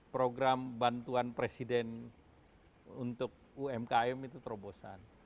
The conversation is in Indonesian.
program bantuan presiden untuk umkm itu terobosan